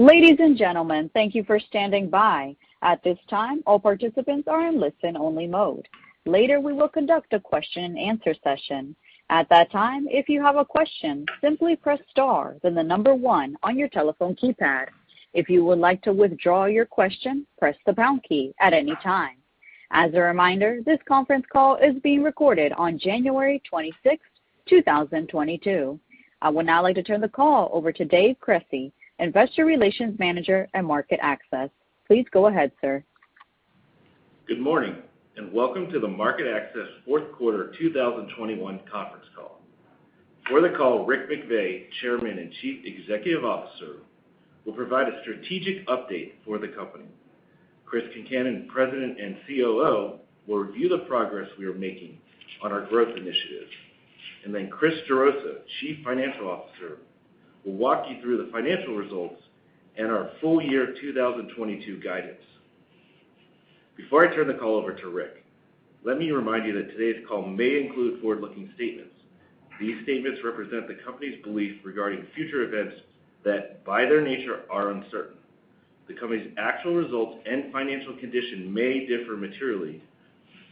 Ladies and gentlemen, thank you for standing by. At this time, all participants are in listen-only mode. Later, we will conduct a question and answer session. At that time, if you have a question, simply press star then the number one on your telephone keypad. If you would like to withdraw your question, press the pound key at any time. As a reminder, this conference call is being recorded on January 26th, 2022. I would now like to turn the call over to Dave Cresci, Investor Relations Manager at MarketAxess. Please go ahead, sir. Good morning, and welcome to the MarketAxess fourth quarter 2021 conference call. For the call, Rick McVey, Chairman and Chief Executive Officer, will provide a strategic update for the company. Chris Concannon, President and COO, will review the progress we are making on our growth initiatives. Chris Gerosa, Chief Financial Officer, will walk you through the financial results and our full year 2022 guidance. Before I turn the call over to Rick, let me remind you that today's call may include forward-looking statements. These statements represent the company's belief regarding future events that, by their nature, are uncertain. The company's actual results and financial condition may differ materially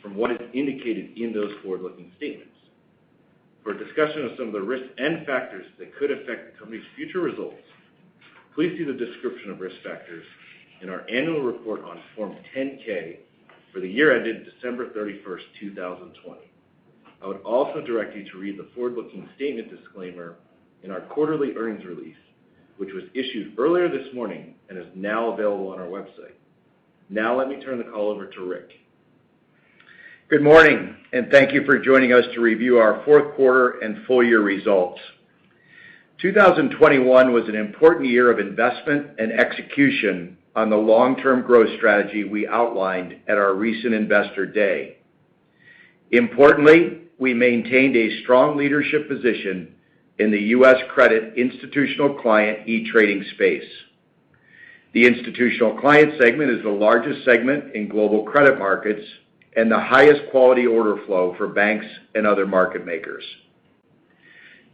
from what is indicated in those forward-looking statements. For a discussion of some of the risks and factors that could affect the company's future results, please see the description of risk factors in our annual report on Form 10-K for the year ended December 31st, 2020. I would also direct you to read the forward-looking statement disclaimer in our quarterly earnings release, which was issued earlier this morning and is now available on our website. Now let me turn the call over to Rick. Good morning, and thank you for joining us to review our fourth quarter and full year results. 2021 was an important year of investment and execution on the long-term growth strategy we outlined at our recent Investor Day. Importantly, we maintained a strong leadership position in the U.S. credit institutional client e-Trading space. The institutional client segment is the largest segment in global credit markets and the highest quality order flow for banks and other market makers.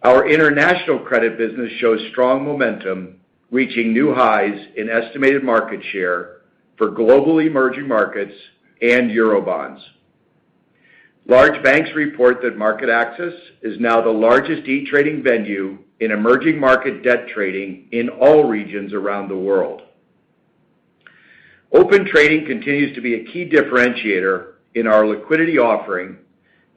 Our international credit business shows strong momentum, reaching new highs in estimated market share for global emerging markets and Eurobonds. Large banks report that MarketAxess is now the largest e-Trading venue in emerging market debt trading in all regions around the world. Open Trading continues to be a key differentiator in our liquidity offering,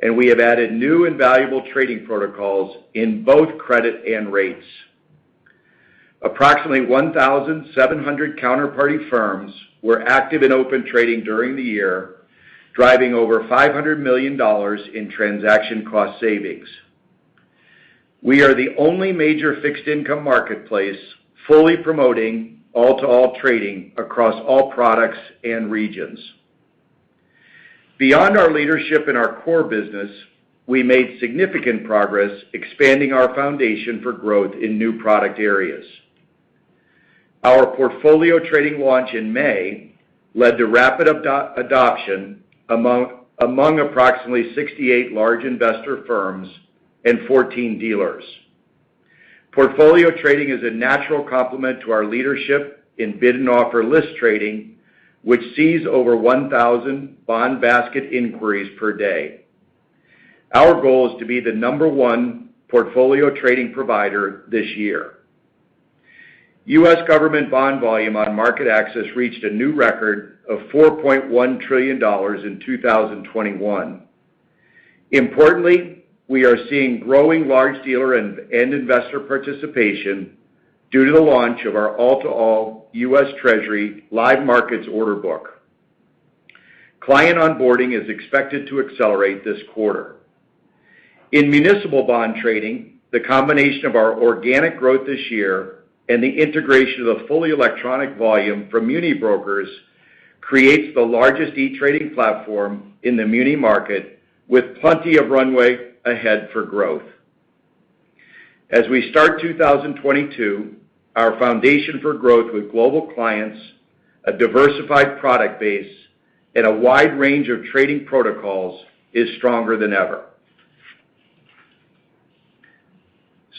and we have added new and valuable trading protocols in both credit and rates. Approximately 1,700 counterparty firms were active in Open Trading during the year, driving over $500 million in transaction cost savings. We are the only major fixed income marketplace fully promoting all-to-all trading across all products and regions. Beyond our leadership in our core business, we made significant progress expanding our foundation for growth in new product areas. Our Portfolio Trading launch in May led to rapid adoption among approximately 68 large investor firms and 14 dealers. Portfolio Trading is a natural complement to our leadership in bid and offer list trading, which sees over 1,000 bond basket inquiries per day. Our goal is to be the number one Portfolio Trading provider this year. U.S. government bond volume on MarketAxess reached a new record of $4.1 trillion in 2021. Importantly, we are seeing growing large dealer and investor participation due to the launch of our all-to-all U.S. Treasury Live Markets order book. Client onboarding is expected to accelerate this quarter. In municipal bond trading, the combination of our organic growth this year and the integration of the fully electronic volume from MuniBrokers creates the largest e-Trading platform in the muni market, with plenty of runway ahead for growth. As we start 2022, our foundation for growth with global clients, a diversified product base, and a wide range of trading protocols is stronger than ever.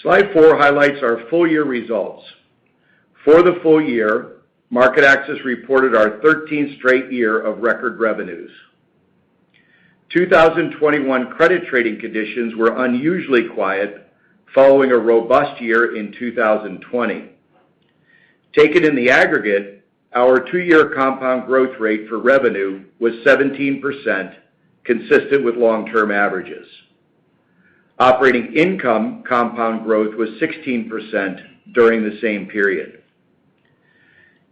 Slide four highlights our full year results. For the full year, MarketAxess reported our 13th straight year of record revenues. 2021 credit trading conditions were unusually quiet following a robust year in 2020. Taken in the aggregate, our two-year compound growth rate for revenue was 17%, consistent with long-term averages. Operating income compound growth was 16% during the same period.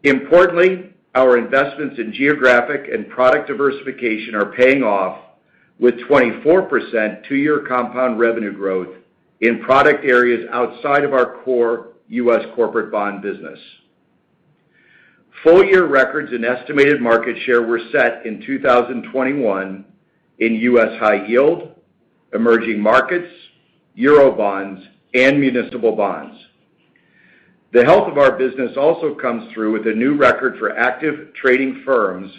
Importantly, our investments in geographic and product diversification are paying off with 24% two-year compound revenue growth in product areas outside of our core U.S. corporate bond business. Full-year records and estimated market share were set in 2021 in U.S. high yield, emerging markets, Eurobonds, and municipal bonds. The health of our business also comes through with a new record for active trading firms,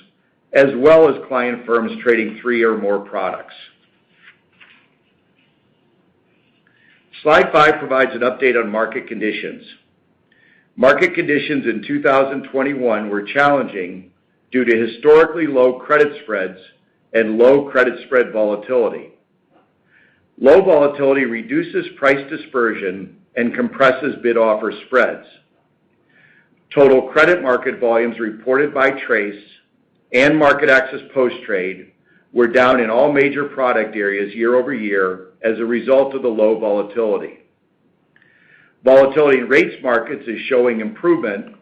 as well as client firms trading three or more products. Slide five provides an update on market conditions. Market conditions in 2021 were challenging due to historically low credit spreads and low credit spread volatility. Low volatility reduces price dispersion and compresses bid-offer spreads. Total credit market volumes reported by TRACE and MarketAxess Post-Trade were down in all major product areas year-over-year as a result of the low volatility. Volatility in rates markets is showing improvement,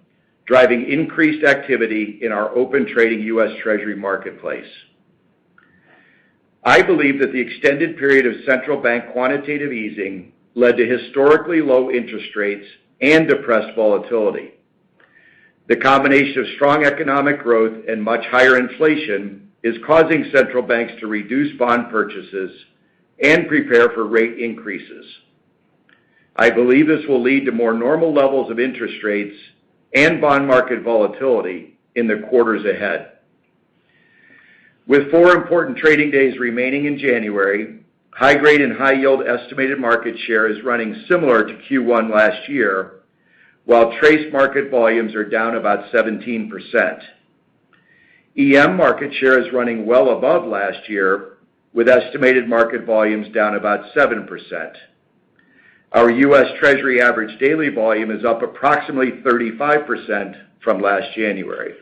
driving increased activity in our Open Trading U.S. Treasury marketplace. I believe that the extended period of central bank quantitative easing led to historically low interest rates and depressed volatility. The combination of strong economic growth and much higher inflation is causing central banks to reduce bond purchases and prepare for rate increases. I believe this will lead to more normal levels of interest rates and bond market volatility in the quarters ahead. With four important trading days remaining in January, high grade and high yield estimated market share is running similar to Q1 last year, while TRACE market volumes are down about 17%. EM market share is running well above last year, with estimated market volumes down about 7%. Our U.S. Treasury average daily volume is up approximately 35% from last January.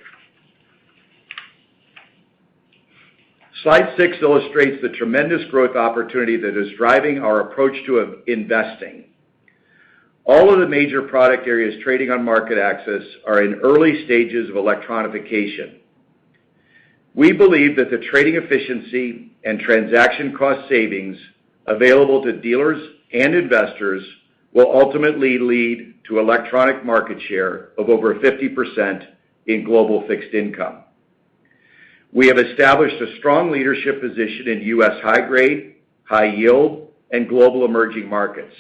Slide six illustrates the tremendous growth opportunity that is driving our approach to investing. All of the major product areas trading on MarketAxess are in early stages of electronification. We believe that the trading efficiency and transaction cost savings available to dealers and investors will ultimately lead to electronic market share of over 50% in global fixed income. We have established a strong leadership position in U.S. high grade, high yield, and global emerging markets.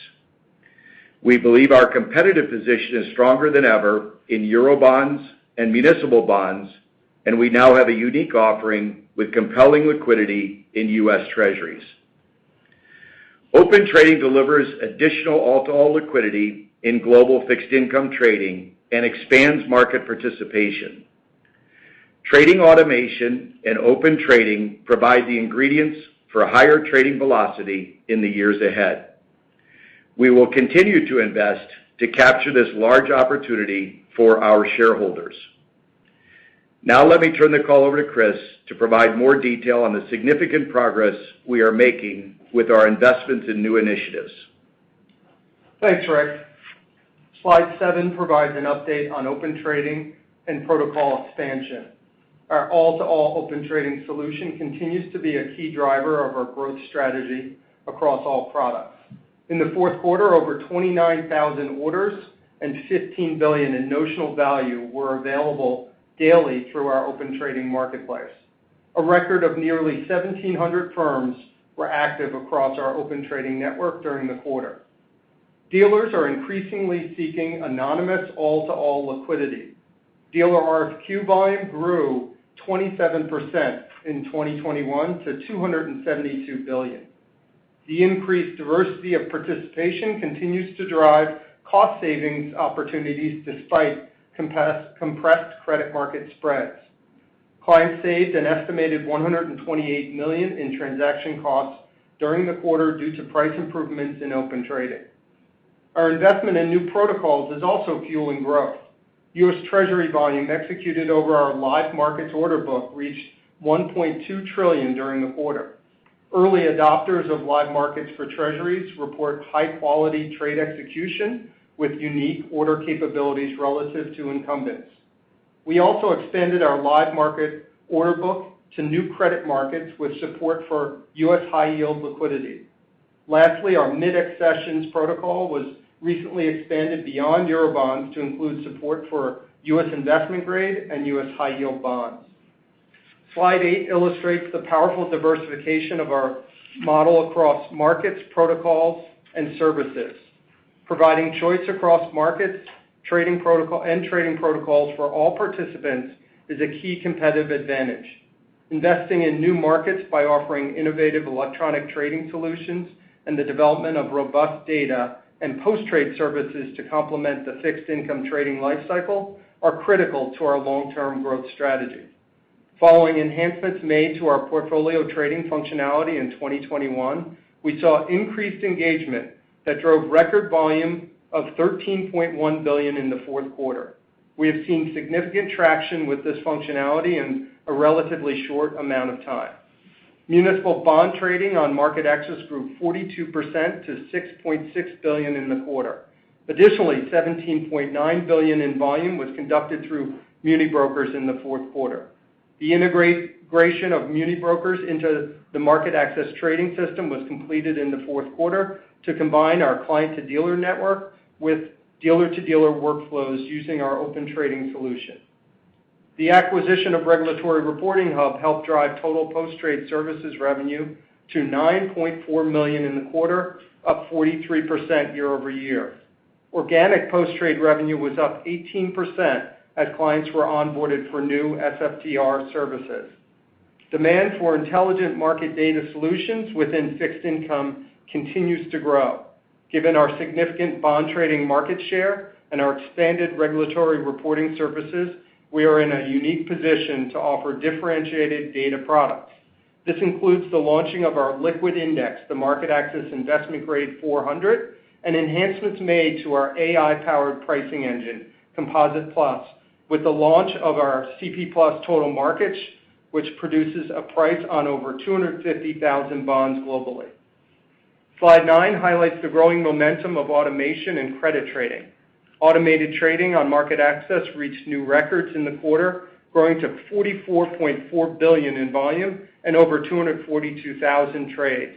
We believe our competitive position is stronger than ever in Eurobonds and municipal bonds, and we now have a unique offering with compelling liquidity in U.S. Treasuries. Open Trading delivers additional all-to-all liquidity in global fixed income trading and expands market participation. Trading automation and Open Trading provide the ingredients for higher trading velocity in the years ahead. We will continue to invest to capture this large opportunity for our shareholders. Now let me turn the call over to Chris to provide more detail on the significant progress we are making with our investments in new initiatives. Thanks, Rick. Slide seven provides an update on Open Trading and protocol expansion. Our all-to-all Open Trading solution continues to be a key driver of our growth strategy across all products. In the fourth quarter, over 29,000 orders and $15 billion in notional value were available daily through our Open Trading marketplace. A record of nearly 1,700 firms were active across our Open Trading network during the quarter. Dealers are increasingly seeking anonymous all-to-all liquidity. Dealer RFQ volume grew 27% in 2021 to $272 billion. The increased diversity of participation continues to drive cost savings opportunities despite compressed credit market spreads. Clients saved an estimated $128 million in transaction costs during the quarter due to price improvements in Open Trading. Our investment in new protocols is also fueling growth. U.S. Treasury volume executed over our Live Markets order book reached 1.2 trillion during the quarter. Early adopters of Live Markets for Treasuries report high-quality trade execution with unique order capabilities relative to incumbents. We also expanded our Live Markets order book to new credit markets with support for U.S. high-yield liquidity. Lastly, our Mid-X sessions protocol was recently expanded beyond Eurobonds to include support for U.S. investment grade and U.S. high-yield bonds. Slide eight illustrates the powerful diversification of our model across markets, protocols, and services. Providing choice across markets, trading protocol, and trading protocols for all participants is a key competitive advantage. Investing in new markets by offering innovative electronic trading solutions and the development of robust data and post-trade services to complement the fixed income trading life cycle are critical to our long-term growth strategy. Following enhancements made to our Portfolio Trading functionality in 2021, we saw increased engagement that drove record volume of $13.1 billion in the fourth quarter. We have seen significant traction with this functionality in a relatively short amount of time. Municipal bond trading on MarketAxess grew 42% to $6.6 billion in the quarter. Additionally, $17.9 billion in volume was conducted through MuniBrokers in the fourth quarter. The integration of MuniBrokers into the MarketAxess trading system was completed in the fourth quarter to combine our client-to-dealer network with dealer-to-dealer workflows using our Open Trading solution. The acquisition of Regulatory Reporting Hub helped drive total post-trade services revenue to $9.4 million in the quarter, up 43% year-over-year. Organic post-trade revenue was up 18% as clients were onboarded for new SFTR services. Demand for intelligent market data solutions within fixed income continues to grow. Given our significant bond trading market share and our expanded regulatory reporting services, we are in a unique position to offer differentiated data products. This includes the launching of our liquid index, the MarketAxess Investment Grade 400, and enhancements made to our AI-powered pricing engine, Composite+, with the launch of our CP+ Total Markets, which produces a price on over 250,000 bonds globally. Slide nine highlights the growing momentum of automation and credit trading. Automated trading on MarketAxess reached new records in the quarter, growing to $44.4 billion in volume and over 242,000 trades.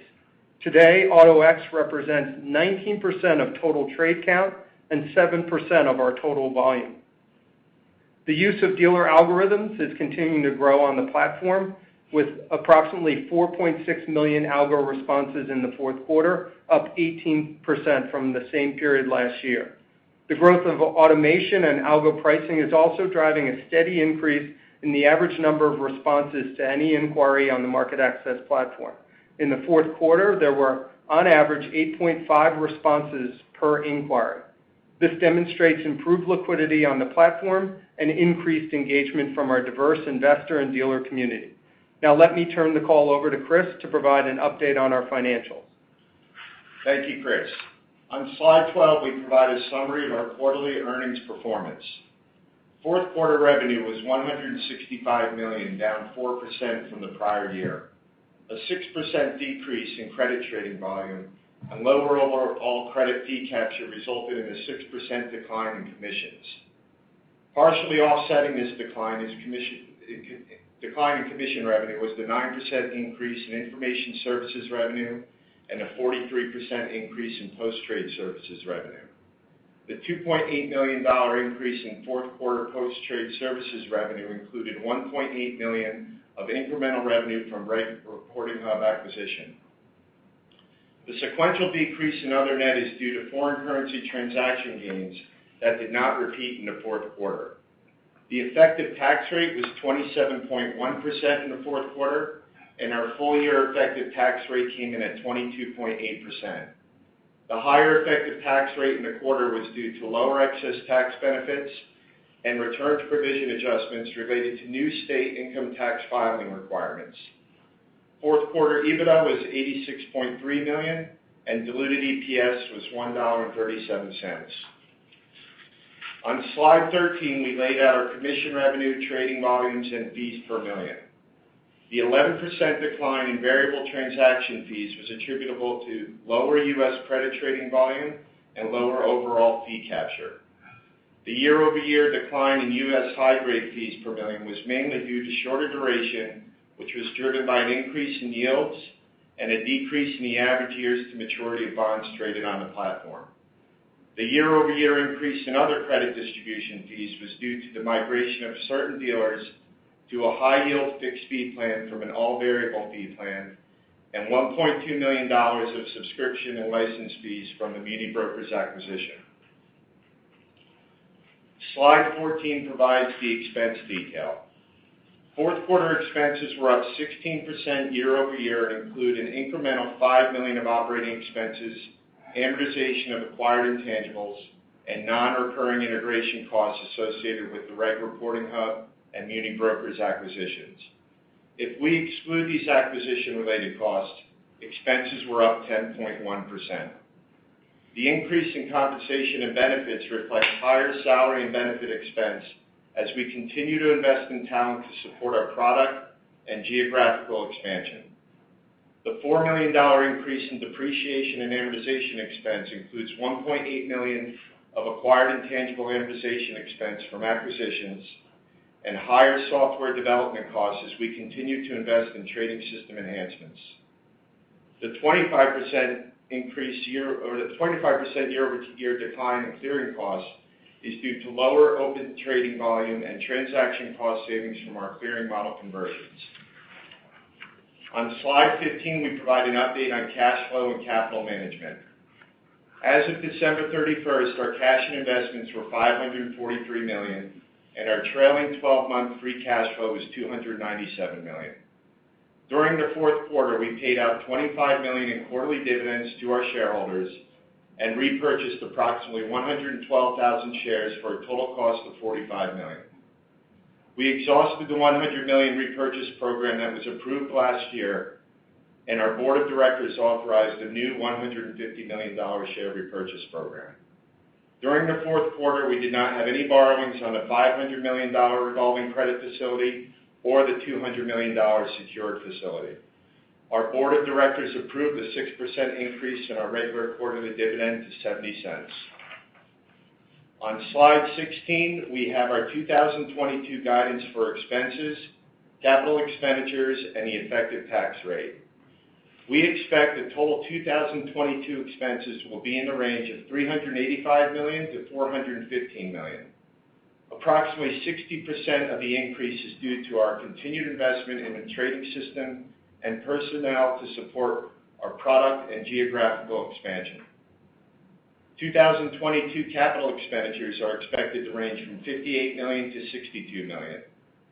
Today, Auto-X represents 19% of total trade count and 7% of our total volume. The use of dealer algorithms is continuing to grow on the platform with approximately 4.6 million algo responses in the fourth quarter, up 18% from the same period last year. The growth of automation and algo pricing is also driving a steady increase in the average number of responses to any inquiry on the MarketAxess platform. In the fourth quarter, there were on average 8.5 responses per inquiry. This demonstrates improved liquidity on the platform and increased engagement from our diverse investor and dealer community. Now, let me turn the call over to Chris to provide an update on our financials. Thank you, Chris. On slide 12, we provide a summary of our quarterly earnings performance. Fourth quarter revenue was $165 million, down 4% from the prior year. A 6% decrease in credit trading volume and lower overall credit fee capture resulted in a 6% decline in commissions. Partially offsetting this decline in commission revenue was the 9% increase in information services revenue and a 43% increase in post-trade services revenue. The $2.8 million increase in fourth quarter post-trade services revenue included $1.8 million of incremental revenue from Reg Reporting Hub acquisition. The sequential decrease in other net is due to foreign currency transaction gains that did not repeat in the fourth quarter. The effective tax rate was 27.1% in the fourth quarter, and our full year effective tax rate came in at 22.8%. The higher effective tax rate in the quarter was due to lower excess tax benefits and return to provision adjustments related to new state income tax filing requirements. Fourth quarter EBITDA was $86.3 million, and diluted EPS was $1.37. On slide 13, we laid out our commission revenue, trading volumes, and fees per million. The 11% decline in variable transaction fees was attributable to lower U.S. credit trading volume and lower overall fee capture. The year-over-year decline in U.S. high grade fees per million was mainly due to shorter duration, which was driven by an increase in yields and a decrease in the average years to maturity of bonds traded on the platform. The year-over-year increase in other credit distribution fees was due to the migration of certain dealers to a high-yield fixed fee plan from an all-variable fee plan and $1.2 million of subscription and license fees from the MuniBrokers acquisition. Slide 14 provides the expense detail. Fourth quarter expenses were up 16% year-over-year and include an incremental $5 million of operating expenses, amortization of acquired intangibles and non-recurring integration costs associated with the Reg Reporting Hub and MuniBrokers acquisitions. If we exclude these acquisition-related costs, expenses were up 10.1%. The increase in compensation and benefits reflect higher salary and benefit expense as we continue to invest in talent to support our product and geographical expansion. The $4 million increase in depreciation and amortization expense includes $1.8 million of acquired intangible amortization expense from acquisitions and higher software development costs as we continue to invest in trading system enhancements. The 25% year-over-year decline in clearing costs is due to lower Open Trading volume and transaction cost savings from our clearing model conversions. On slide 15, we provide an update on cash flow and capital management. As of December 31st, our cash and investments were $543 million, and our trailing 12-month free cash flow was $297 million. During the fourth quarter, we paid out $25 million in quarterly dividends to our shareholders and repurchased approximately 112,000 shares for a total cost of $45 million. We exhausted the $100 million repurchase program that was approved last year, and our Board of Directors authorized a new $150 million share repurchase program. During the fourth quarter, we did not have any borrowings on the $500 million revolving credit facility or the $200 million secured facility. Our Board of Directors approved a 6% increase in our regular quarterly dividend to $0.70. On slide 16, we have our 2022 guidance for expenses, capital expenditures, and the effective tax rate. We expect the total 2022 expenses will be in the range of $385 million-$415 million. Approximately 60% of the increase is due to our continued investment in the trading system and personnel to support our product and geographical expansion. 2022 capital expenditures are expected to range from $58 million-$62 million,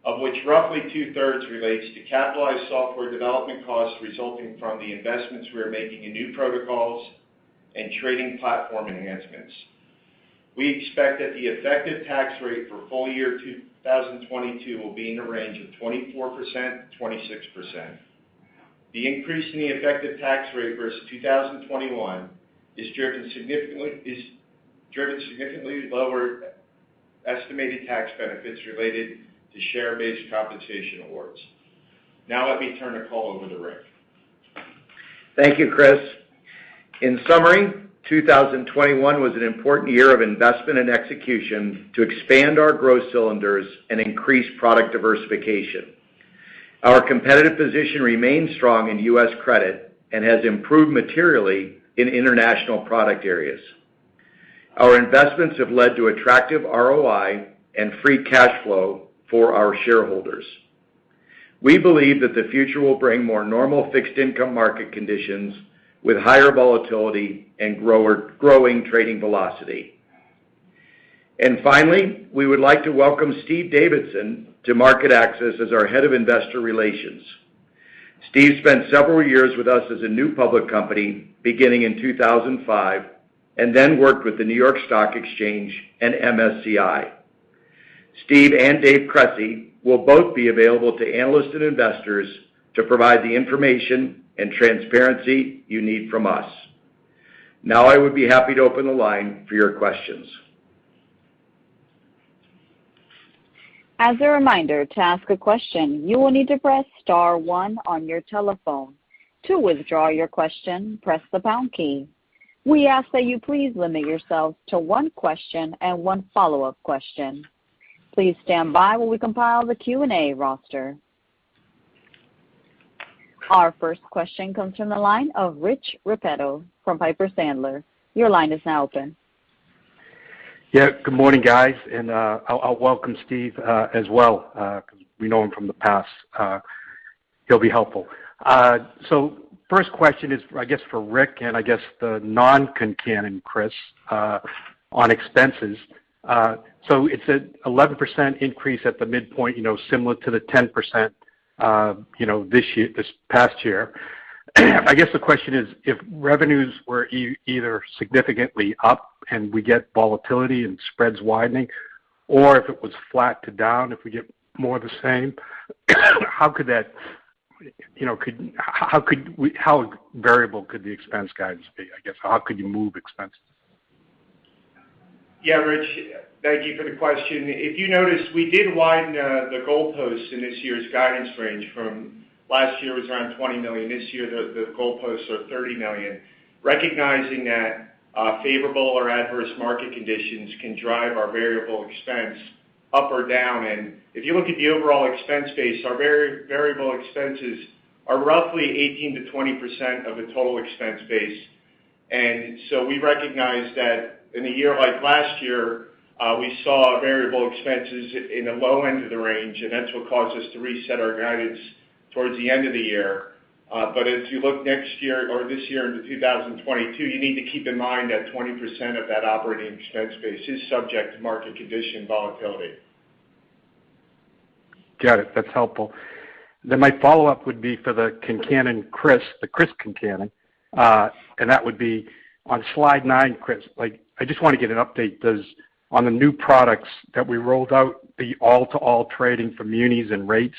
of which roughly 2/3 relates to capitalized software development costs resulting from the investments we are making in new protocols and trading platform enhancements. We expect that the effective tax rate for full year 2022 will be in the range of 24%-26%. The increase in the effective tax rate versus 2021 is driven significantly lower estimated tax benefits related to share-based compensation awards. Now, let me turn the call over to Rick. Thank you, Chris. In summary, 2021 was an important year of investment and execution to expand our growth cylinders and increase product diversification. Our competitive position remains strong in U.S. credit and has improved materially in international product areas. Our investments have led to attractive ROI and free cash flow for our shareholders. We believe that the future will bring more normal fixed income market conditions with higher volatility and growing trading velocity. Finally, we would like to welcome Steve Davidson to MarketAxess as our head of investor relations. Steve spent several years with us as a new public company beginning in 2005, and then worked with the New York Stock Exchange and MSCI. Steve and Dave Cresci will both be available to analysts and investors to provide the information and transparency you need from us. Now, I would be happy to open the line for your questions. As a reminder, to ask a question, you will need to press star one on your telephone. To withdraw your question, press the pound key. We ask that you please limit yourselves to one question and one follow-up question. Please stand by while we compile the Q&A roster. Our first question comes from the line of Rich Repetto from Piper Sandler. Your line is now open. Good morning, guys. I'll welcome Steve as well, because we know him from the past. He'll be helpful. First question is, I guess for Rick and I guess the non-Concannon Chris, on expenses. It's an 11% increase at the midpoint, you know, similar to the 10%, you know, this past year. I guess the question is, if revenues were either significantly up and we get volatility and spreads widening, or if it was flat to down, if we get more the same, how could that. You know, how variable could the expense guidance be, I guess? How could you move expenses? Yeah, Rich. Thank you for the question. If you notice, we did widen the goalposts in this year's guidance range from last year was around $20 million. This year, the goalposts are $30 million. Recognizing that favorable or adverse market conditions can drive our variable expense up or down. If you look at the overall expense base, our variable expenses are roughly 18%-20% of the total expense base. We recognize that in a year like last year, we saw variable expenses in the low end of the range, and that's what caused us to reset our guidance towards the end of the year. As you look next year or this year into 2022, you need to keep in mind that 20% of that operating expense base is subject to market condition volatility. Got it. That's helpful. My follow-up would be for Chris Concannon. That would be on slide nine, Chris. Like, I just wanna get an update on the new products that we rolled out, the all-to-all trading for munis and rates.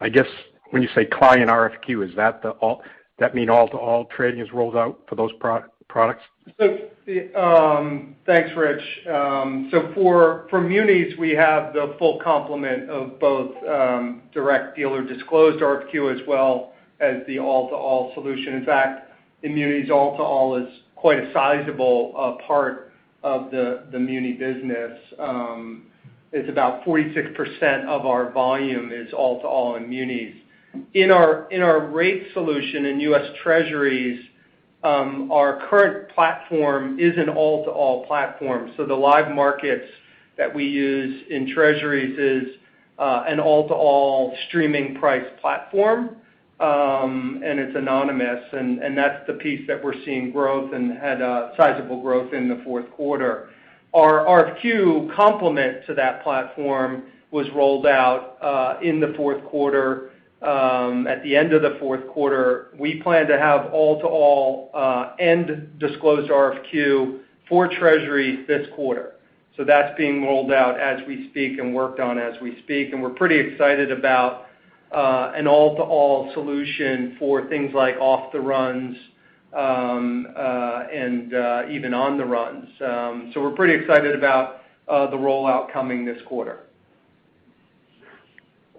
I guess when you say client RFQ, does that mean all-to-all trading is rolled out for those products? Thanks, Rich. For munis, we have the full complement of both direct dealer-disclosed RFQ, as well as the all-to-all solution. In fact, in munis, all-to-all is quite a sizable part of the muni business. It's about 46% of our volume is all-to-all in munis. In our rates solution in U.S. Treasuries, our current platform is an all-to-all platform. The Live Markets that we use in Treasuries is an all-to-all streaming price platform, and it's anonymous. That's the piece that we're seeing growth and had sizable growth in the fourth quarter. Our RFQ complement to that platform was rolled out in the fourth quarter. At the end of the fourth quarter, we plan to have all-to-all and disclosed RFQ for Treasuries this quarter. That's being rolled out as we speak and worked on as we speak. We're pretty excited about an all-to-all solution for things like off-the-runs and even on-the-runs. We're pretty excited about the rollout coming this quarter.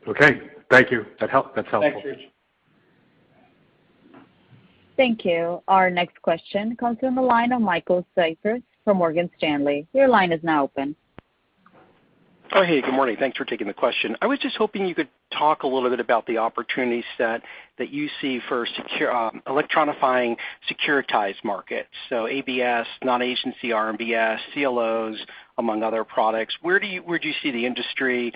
Okay. Thank you. That's helpful. Thanks, Rich. Thank you. Our next question comes from the line of Michael Cyprys from Morgan Stanley. Your line is now open. Oh, hey. Good morning. Thanks for taking the question. I was just hoping you could talk a little bit about the opportunity set that you see for electronifying securitized markets. So ABS, non-agency RMBS, CLOs, among other products. Where do you see the industry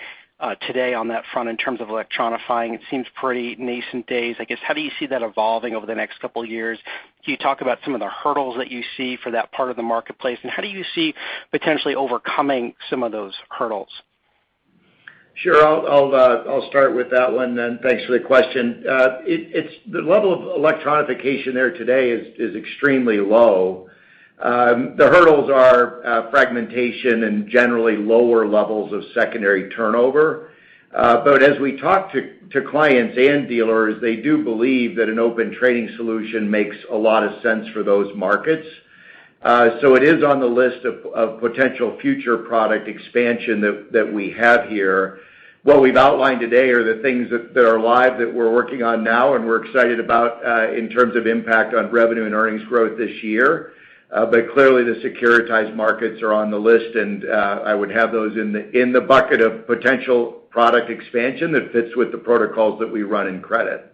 today on that front in terms of electronifying? It seems pretty nascent days, I guess. How do you see that evolving over the next couple years? Can you talk about some of the hurdles that you see for that part of the marketplace, and how do you see potentially overcoming some of those hurdles? Sure. I'll start with that one then. Thanks for the question. It's the level of electronification there today is extremely low. The hurdles are fragmentation and generally lower levels of secondary turnover. As we talk to clients and dealers, they do believe that an open trading solution makes a lot of sense for those markets. It is on the list of potential future product expansion that we have here. What we've outlined today are the things that are live, that we're working on now, and we're excited about in terms of impact on revenue and earnings growth this year. Clearly the securitized markets are on the list, and I would have those in the bucket of potential product expansion that fits with the protocols that we run in credit.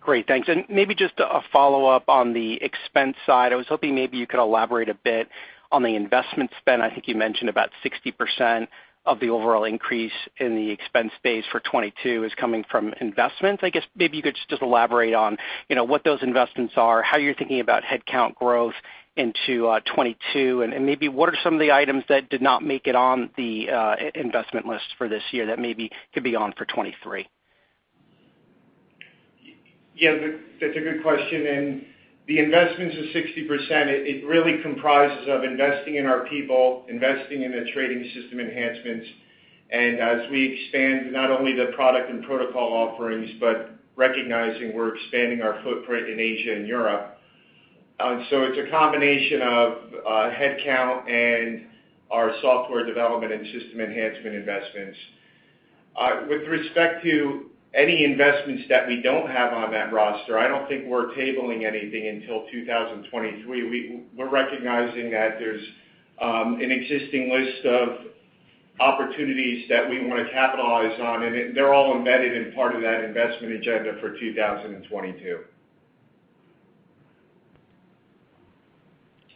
Great. Thanks. Maybe just a follow-up on the expense side. I was hoping maybe you could elaborate a bit on the investment spend. I think you mentioned about 60% of the overall increase in the expense base for 2022 is coming from investments. I guess maybe you could just elaborate on, you know, what those investments are, how you're thinking about headcount growth into 2022, and maybe what are some of the items that did not make it on the investment list for this year that maybe could be on for 2023. Yeah, that's a good question. The investments of 60%, it really comprises of investing in our people, investing in the trading system enhancements as we expand not only the product and protocol offerings, but recognizing we're expanding our footprint in Asia and Europe. It's a combination of headcount and our software development and system enhancement investments. With respect to any investments that we don't have on that roster, I don't think we're tabling anything until 2023. We're recognizing that there's an existing list of opportunities that we wanna capitalize on, and they're all embedded in part of that investment agenda for 2022.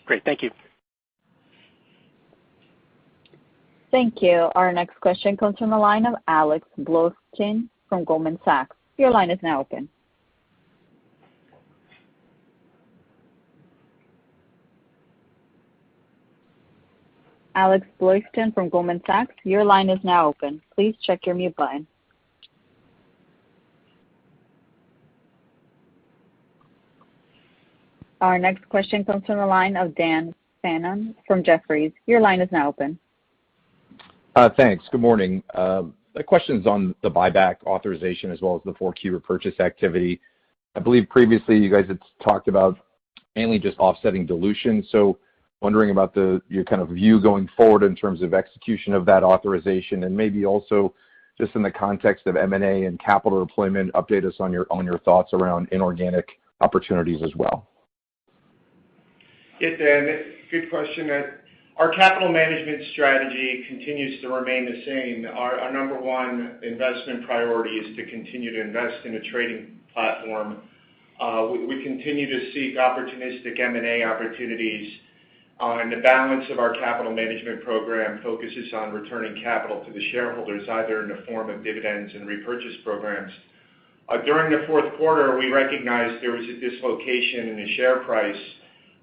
Great. Thank you. Thank you. Our next question comes from the line of Alex Blostein from Goldman Sachs. Your line is now open. Alex Blostein from Goldman Sachs, your line is now open. Please check your mute button. Our next question comes from the line of Dan Fannon from Jefferies. Your line is now open. Thanks. Good morning. The question's on the buyback authorization as well as the 4Q repurchase activity. I believe previously you guys had talked about mainly just offsetting dilution. Wondering about your kind of view going forward in terms of execution of that authorization, and maybe also just in the context of M&A and capital deployment, update us on your thoughts around inorganic opportunities as well. Yeah, Dan, good question. Our capital management strategy continues to remain the same. Our number one investment priority is to continue to invest in a trading platform. We continue to seek opportunistic M&A opportunities. The balance of our capital management program focuses on returning capital to the shareholders, either in the form of dividends and repurchase programs. During the fourth quarter, we recognized there was a dislocation in the share price,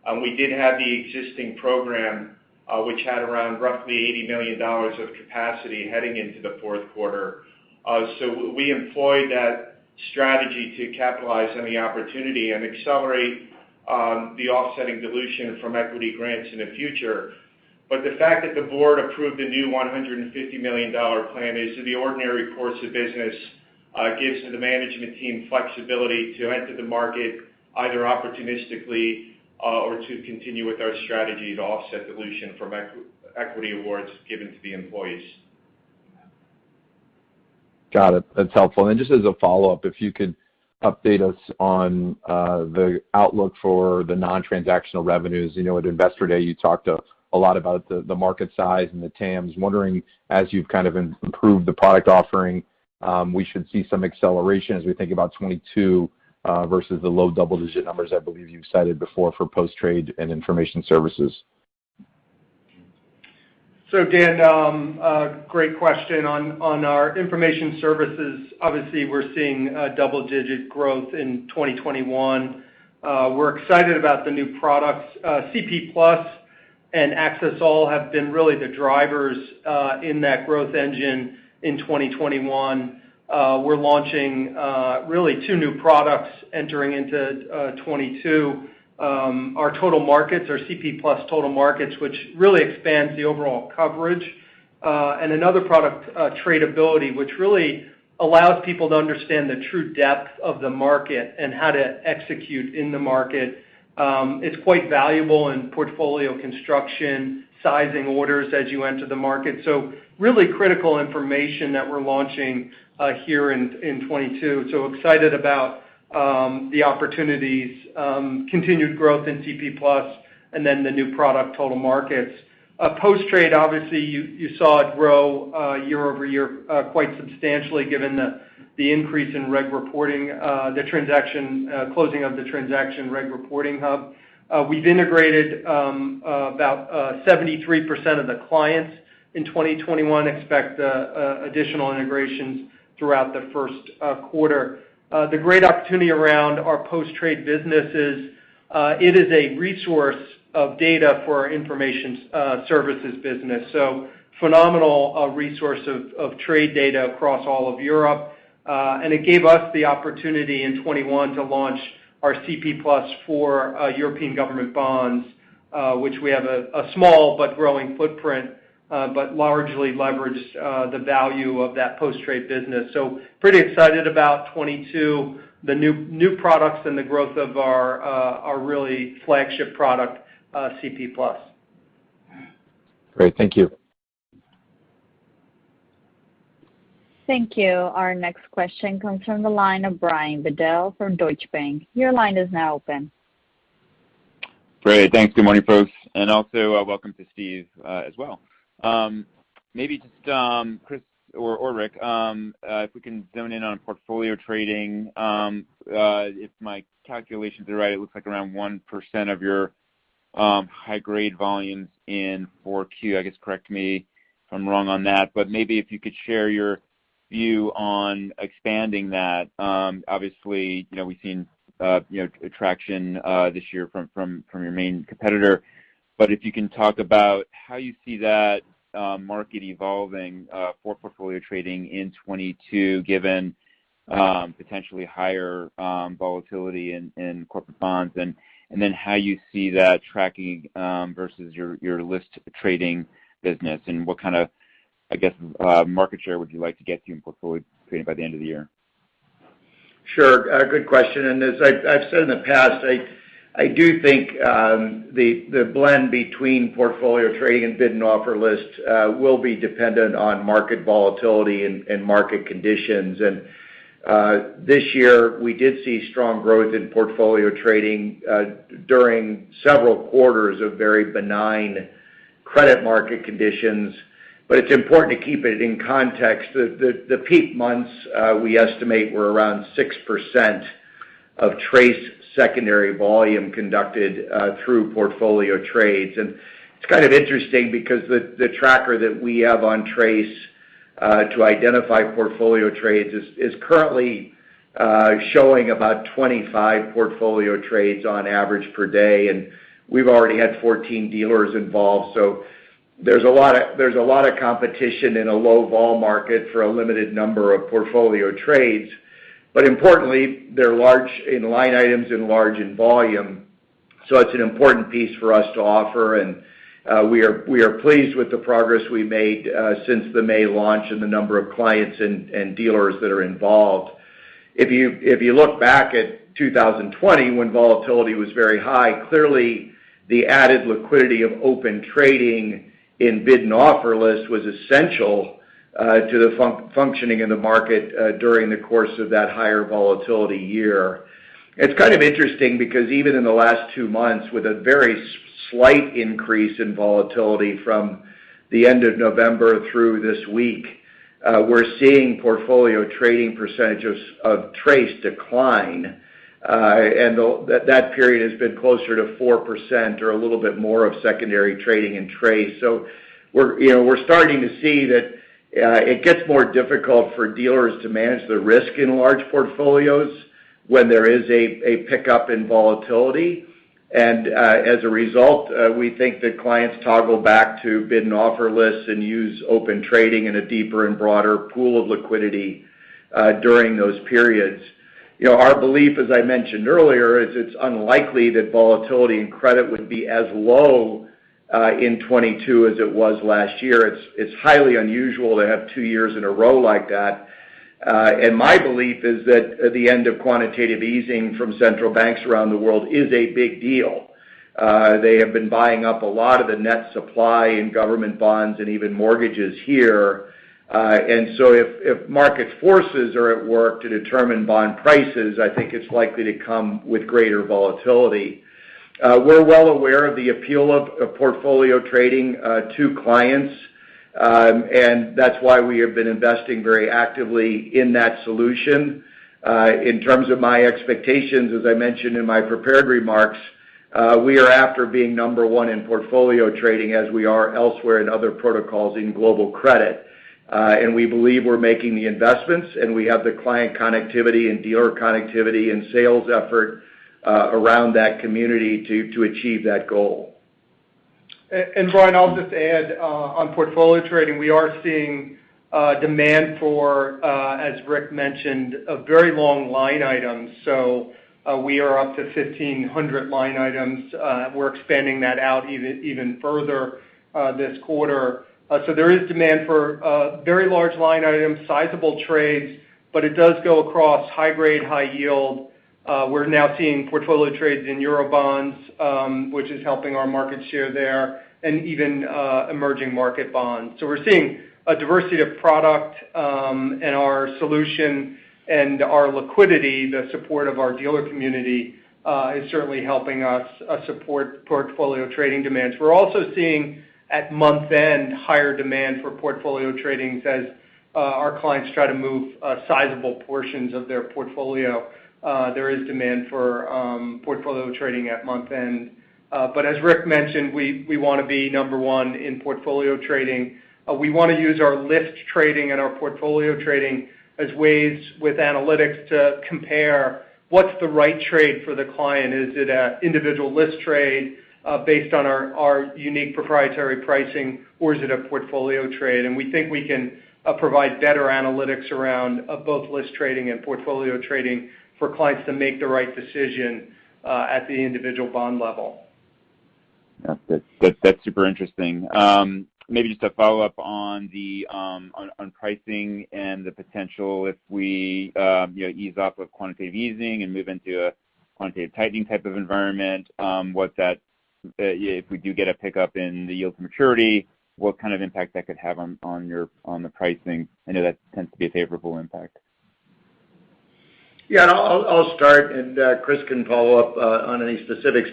and we did have the existing program, which had around roughly $80 million of capacity heading into the fourth quarter. We employed that strategy to capitalize on the opportunity and accelerate the offsetting dilution from equity grants in the future. The fact that the board approved a new $150 million plan is in the ordinary course of business, gives the management team flexibility to enter the market either opportunistically or to continue with our strategy to offset dilution from equity awards given to the employees. Got it. That's helpful. Just as a follow-up, if you could update us on the outlook for the non-transactional revenues. You know, at Investor Day, you talked a lot about the market size and the TAMs. Wondering, as you've kind of improved the product offering, we should see some acceleration as we think about 2022 versus the low double-digit numbers I believe you've cited before for post-trade and information services. Dan, great question on our information services. Obviously, we're seeing double-digit growth in 2021. We're excited about the new products. CP+ and Axess All have been really the drivers in that growth engine in 2021. We're launching really two new products entering into 2022. Our Total Markets, our CP+ Total Markets, which really expands the overall coverage. And another product, Tradability, which really allows people to understand the true depth of the market and how to execute in the market. It's quite valuable in portfolio construction, sizing orders as you enter the market. Really critical information that we're launching here in 2022. Excited about the opportunities, continued growth in CP+ and then the new product, Total Markets. Post-trade, obviously, you saw it grow year-over-year quite substantially given the increase in reg reporting, the closing of the transaction Reg Reporting Hub. We've integrated about 73% of the clients in 2021. Expect additional integrations throughout the first quarter. The great opportunity around our post-trade business is it is a resource of data for our information services business. Phenomenal resource of trade data across all of Europe. It gave us the opportunity in 2021 to launch our CP+ for European government bonds, which we have a small but growing footprint, but largely leveraged the value of that post-trade business. Pretty excited about 2022, the new products and the growth of our really flagship product, CP+. Great. Thank you. Thank you. Our next question comes from the line of Brian Bedell from Deutsche Bank. Your line is now open. Great. Thanks. Good morning, folks, and also welcome to Steve as well. Maybe just Chris or Rick, if we can zone in on Portfolio Trading. If my calculations are right, it looks like around 1% of your high grade volumes in 4Q. I guess correct me if I'm wrong on that, but maybe if you could share your view on expanding that. Obviously, you know, we've seen, you know, traction this year from your main competitor. If you can talk about how you see that market evolving for Portfolio Trading in 2022, given potentially higher volatility in corporate bonds. How you see that tracking versus your list trading business, and what kind of, I guess, market share would you like to get to in Portfolio Trading by the end of the year? Sure. A good question. As I've said in the past, I do think the blend between Portfolio Trading and bid and offer list will be dependent on market volatility and market conditions. This year, we did see strong growth in Portfolio Trading during several quarters of very benign credit market conditions. It's important to keep it in context. The peak months, we estimate were around 6% of TRACE secondary volume conducted through portfolio trades. It's kind of interesting because the tracker that we have on TRACE to identify portfolio trades is currently showing about 25 portfolio trades on average per day, and we've already had 14 dealers involved. There's a lot of competition in a low vol market for a limited number of portfolio trades. Importantly, they're large in line items and large in volume, so it's an important piece for us to offer. We are pleased with the progress we made since the May launch and the number of clients and dealers that are involved. If you look back at 2020 when volatility was very high, clearly the added liquidity of Open Trading in bid and offer list was essential to the functioning in the market during the course of that higher volatility year. It's kind of interesting because even in the last two months, with a very slight increase in volatility from the end of November through this week, we're seeing Portfolio Trading percentages of TRACE decline. That period has been closer to 4% or a little bit more of secondary trading in TRACE. You know, we're starting to see that it gets more difficult for dealers to manage the risk in large portfolios when there is a pickup in volatility. As a result, we think that clients toggle back to bid and offer lists and use Open Trading in a deeper and broader pool of liquidity during those periods. You know, our belief, as I mentioned earlier, is it's unlikely that volatility and credit would be as low in 2022 as it was last year. It's highly unusual to have two years in a row like that. My belief is that the end of quantitative easing from central banks around the world is a big deal. They have been buying up a lot of the net supply in government bonds and even mortgages here. If market forces are at work to determine bond prices, I think it's likely to come with greater volatility. We're well aware of the appeal of Portfolio Trading to clients, and that's why we have been investing very actively in that solution. In terms of my expectations, as I mentioned in my prepared remarks, we are after being number one in Portfolio Trading as we are elsewhere in other protocols in global credit. We believe we're making the investments, and we have the client connectivity and dealer connectivity and sales effort around that community to achieve that goal. Brian, I'll just add on Portfolio Trading, we are seeing demand for, as Rick mentioned, a very long line item. We are up to 1,500 line items. We're expanding that out even further this quarter. There is demand for very large line items, sizable trades, but it does go across high grade, high yield. We're now seeing portfolio trades in Eurobonds, which is helping our market share there, and even emerging market bonds. We're seeing a diversity of product and our solution and our liquidity, the support of our dealer community is certainly helping us support Portfolio Trading demands. We're also seeing, at month end, higher demand for Portfolio Trading as our clients try to move sizable portions of their portfolio. There is demand for Portfolio Trading at month end. But as Rick mentioned, we wanna be number one in Portfolio Trading. We wanna use our list trading and our Portfolio Trading as ways with analytics to compare what's the right trade for the client. Is it a individual list trade, based on our unique proprietary pricing, or is it a portfolio trade? We think we can provide better analytics around both list trading and Portfolio Trading for clients to make the right decision at the individual bond level. Yeah. That's super interesting. Maybe just a follow-up on the pricing and the potential if we, you know, ease off of quantitative easing and move into a quantitative tightening type of environment. If we do get a pickup in the yield to maturity, what kind of impact that could have on your pricing? I know that tends to be a favorable impact. Yeah. I'll start and Chris can follow up on any specifics.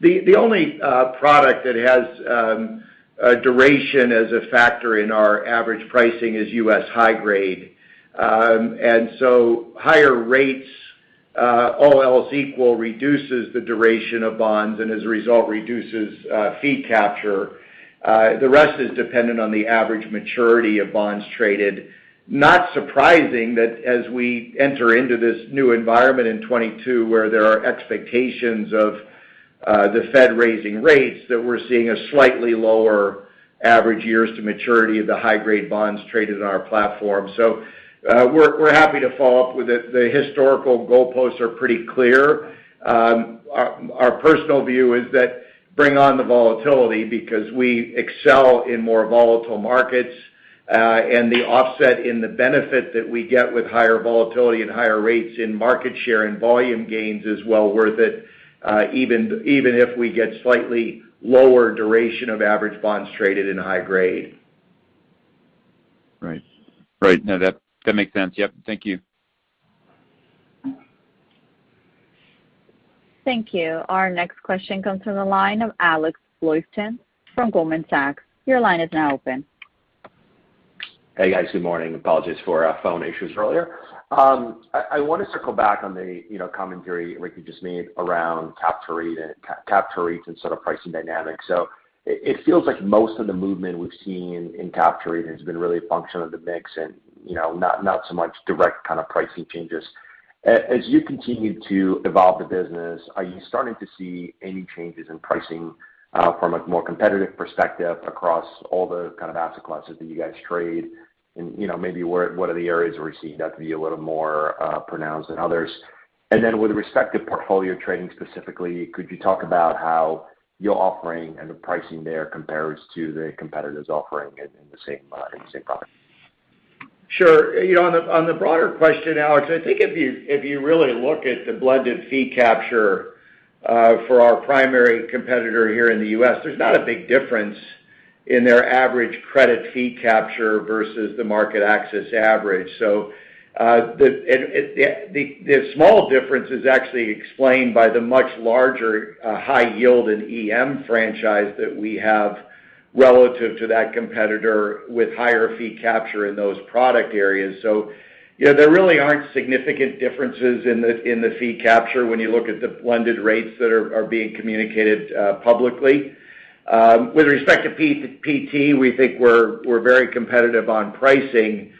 The only product that has a duration as a factor in our average pricing is U.S. high grade. Higher rates, all else equal, reduces the duration of bonds, and as a result, reduces fee capture. The rest is dependent on the average maturity of bonds traded. Not surprising that as we enter into this new environment in 2022, where there are expectations of the Fed raising rates, that we're seeing a slightly lower average years to maturity of the high grade bonds traded on our platform. We're happy to follow up with it. The historical goalposts are pretty clear. Our personal view is that bring on the volatility because we excel in more volatile markets, and the offset and the benefit that we get with higher volatility and higher rates in market share and volume gains is well worth it, even if we get slightly lower duration of average bonds traded in high grade. Right. Right. No, that makes sense. Yep. Thank you. Thank you. Our next question comes from the line of Alex Blostein from Goldman Sachs. Your line is now open. Hey, guys. Good morning. Apologies for phone issues earlier. I wanted to circle back on the, you know, commentary, Rick, you just made around capture rates and sort of pricing dynamics. It feels like most of the movement we've seen in capture rates has been really a function of the mix and, you know, not so much direct kind of pricing changes. As you continue to evolve the business, are you starting to see any changes in pricing from a more competitive perspective across all the kind of asset classes that you guys trade? You know, maybe what are the areas where we're seeing that to be a little more pronounced than others? With respect to Portfolio Trading specifically, could you talk about how your offering and the pricing there compares to the competitor's offering in the same product? Sure. You know, on the broader question, Alex, I think if you really look at the blended fee capture for our primary competitor here in the U.S., there's not a big difference in their average credit fee capture versus the MarketAxess average. The small difference is actually explained by the much larger high yield in EM franchise that we have relative to that competitor with higher fee capture in those product areas. You know, there really aren't significant differences in the fee capture when you look at the blended rates that are being communicated publicly. With respect to PT, we think we're very competitive on pricing.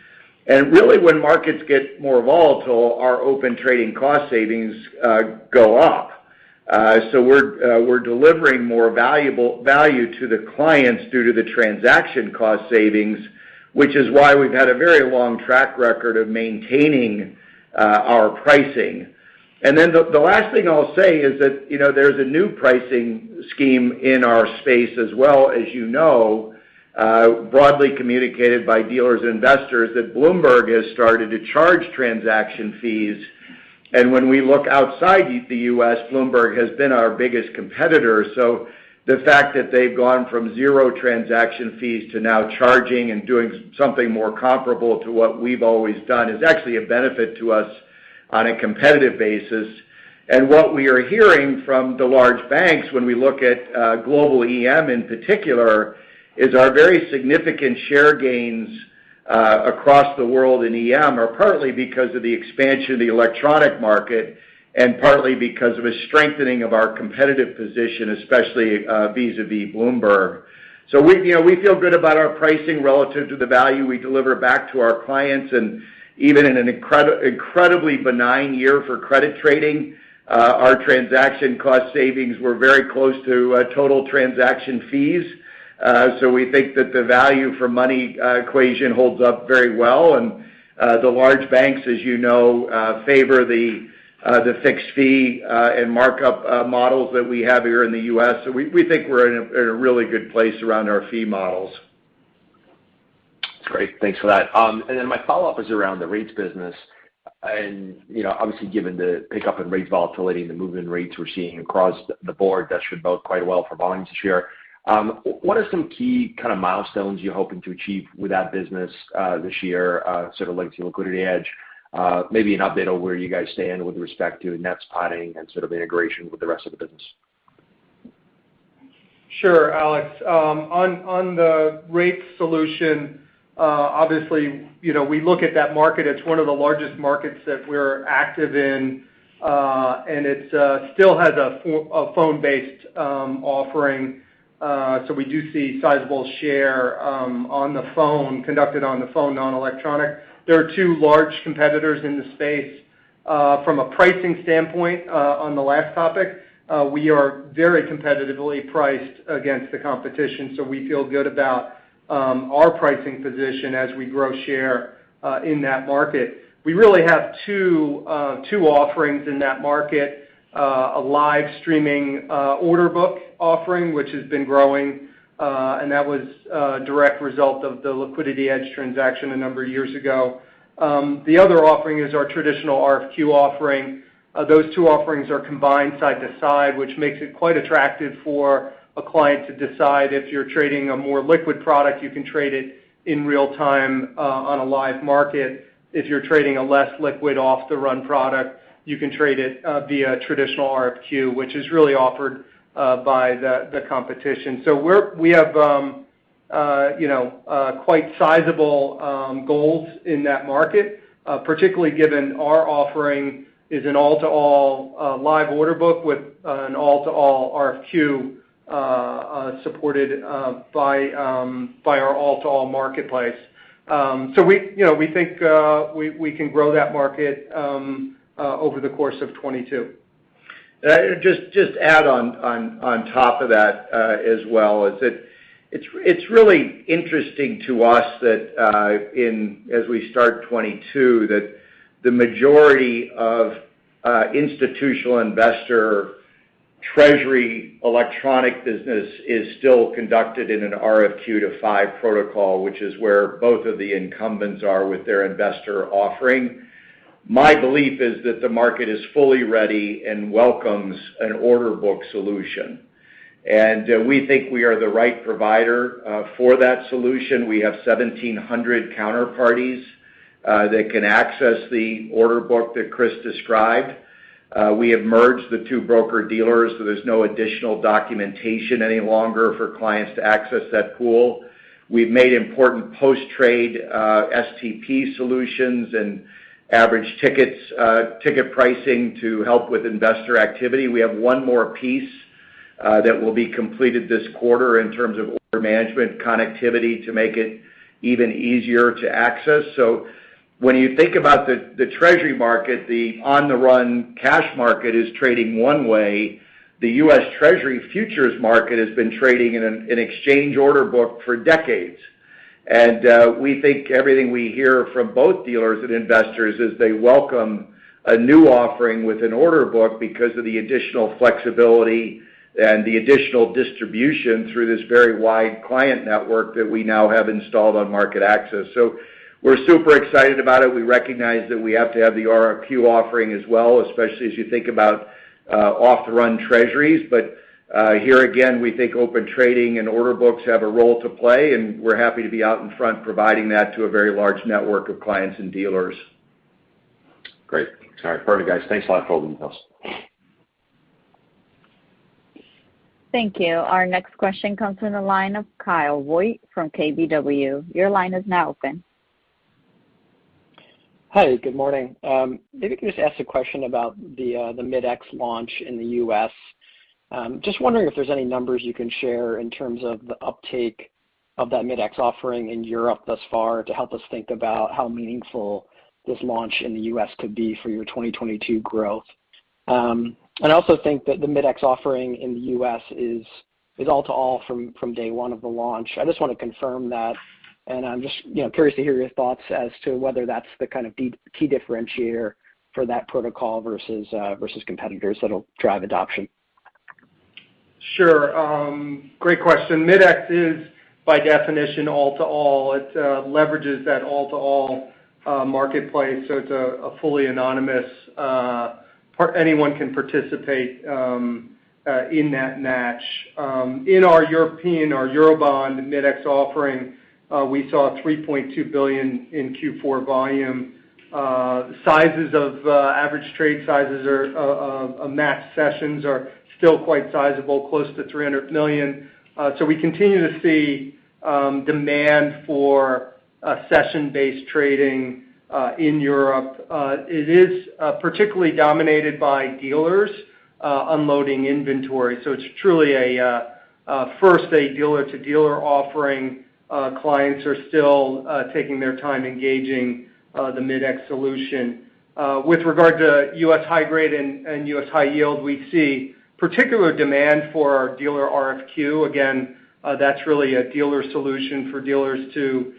Really when markets get more volatile, our Open Trading cost savings go up. We're delivering more value to the clients due to the transaction cost savings, which is why we've had a very long track record of maintaining our pricing. The last thing I'll say is that, you know, there's a new pricing scheme in our space as well as, you know, broadly communicated by dealers and investors that Bloomberg has started to charge transaction fees. When we look outside the U.S., Bloomberg has been our biggest competitor. The fact that they've gone from zero transaction fees to now charging and doing something more comparable to what we've always done is actually a benefit to us on a competitive basis. What we are hearing from the large banks when we look at global EM in particular is our very significant share gains across the world in EM are partly because of the expansion of the electronic market, and partly because of a strengthening of our competitive position, especially vis-à-vis Bloomberg. We, you know, we feel good about our pricing relative to the value we deliver back to our clients. Even in an incredibly benign year for credit trading our transaction cost savings were very close to total transaction fees. We think that the value for money equation holds up very well. The large banks, as you know, favor the fixed fee and markup models that we have here in the U.S. We think we're in a really good place around our fee models. That's great. Thanks for that. My follow-up is around the rates business. You know, obviously, given the pickup in rates volatility and the movement in rates we're seeing across the board, that should bode quite well for volumes this year. What are some key kind of milestones you're hoping to achieve with that business, this year, sort of linked to LiquidityEdge? Maybe an update on where you guys stand with respect to net spotting and sort of integration with the rest of the business. Sure, Alex. On the rate solution, obviously, you know, we look at that market. It's one of the largest markets that we're active in, and it still has a phone-based offering. So we do see sizable share conducted on the phone, non-electronic. There are two large competitors in the space. From a pricing standpoint, on the last topic, we are very competitively priced against the competition, so we feel good about our pricing position as we grow share in that market. We really have two offerings in that market, a live streaming order book offering, which has been growing, and that was a direct result of the LiquidityEdge transaction a number of years ago. The other offering is our traditional RFQ offering. Those two offerings are combined side to side, which makes it quite attractive for a client to decide if you're trading a more liquid product, you can trade it in real time on a live market. If you're trading a less liquid off-the-run product, you can trade it via traditional RFQ, which is really offered by the competition. We have you know quite sizable goals in that market, particularly given our offering is an all-to-all live order book with an all-to-all RFQ supported by our all-to-all marketplace. We you know think we can grow that market over the course of 2022. I just add on top of that as well. It's really interesting to us that as we start 2022, the majority of institutional investor Treasury electronic business is still conducted in an RFQ-to-5 protocol, which is where both of the incumbents are with their investor offering. My belief is that the market is fully ready and welcomes an order book solution. We think we are the right provider for that solution. We have 1,700 counterparties that can access the order book that Chris described. We have merged the two broker-dealers, so there's no additional documentation any longer for clients to access that pool. We've made important post-trade STP solutions and average ticket pricing to help with investor activity. We have one more piece that will be completed this quarter in terms of order management connectivity to make it even easier to access. When you think about the Treasury market, the on-the-run cash market is trading one way. The U.S. Treasury futures market has been trading in an exchange order book for decades. We think everything we hear from both dealers and investors is they welcome a new offering with an order book because of the additional flexibility and the additional distribution through this very wide client network that we now have installed on MarketAxess. We're super excited about it. We recognize that we have to have the RFQ offering as well, especially as you think about off-the-run Treasuries. But here again, we think Open Trading and order books have a role to play, and we're happy to be out in front providing that to a very large network of clients and dealers. Great. All right. Perfect, guys. Thanks a lot for holding us. Thank you. Our next question comes from the line of Kyle Voigt from KBW. Your line is now open. Hi, good morning. Maybe I can just ask a question about the Mid-X launch in the U.S. Just wondering if there's any numbers you can share in terms of the uptake of that Mid-X offering in Europe thus far, to help us think about how meaningful this launch in the U.S. could be for your 2022 growth. I also think that the Mid-X offering in the U.S. is all-to-all from day one of the launch. I just wanna confirm that, and I'm just, you know, curious to hear your thoughts as to whether that's the kind of key differentiator for that protocol versus competitors that'll drive adoption. Sure, great question. Mid-X is by definition all-to-all. It leverages that all-to-all marketplace, so it's fully anonymous. Anyone can participate in that match. In our European or Eurobond Mid-X offering, we saw $3.2 billion in Q4 volume. Average match session sizes are still quite sizable, close to $300 million. We continue to see demand for session-based trading in Europe. It is particularly dominated by dealers unloading inventory, so it's truly a first dealer-to-dealer offering. Clients are still taking their time engaging the Mid-X solution. With regard to U.S. high-grade and U.S. high-yield, we see particular demand for our dealer RFQ. Again, that's really a dealer solution for dealers to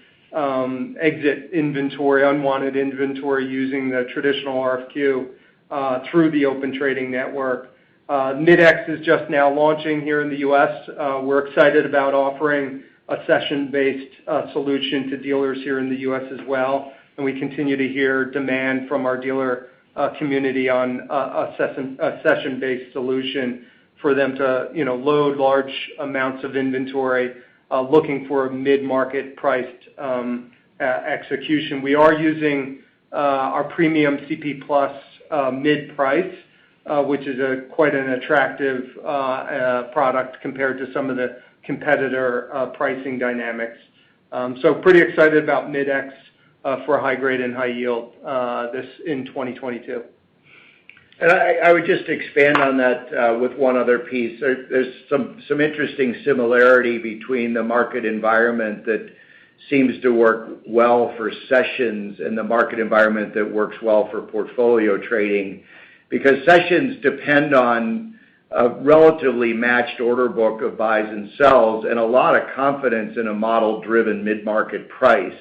exit inventory, unwanted inventory using the traditional RFQ through the Open Trading network. Mid-X is just now launching here in the U.S. We're excited about offering a session-based solution to dealers here in the U.S. as well, and we continue to hear demand from our dealer community on a session-based solution for them to, you know, load large amounts of inventory looking for a mid-market priced execution. We are using our premium CP+ mid-price, which is a quite an attractive product compared to some of the competitor pricing dynamics. Pretty excited about Mid-X for high grade and high yield in 2022. I would just expand on that with one other piece. There's some interesting similarity between the market environment that seems to work well for sessions and the market environment that works well for Portfolio Trading. Because sessions depend on a relatively matched order book of buys and sells, and a lot of confidence in a model-driven mid-market price.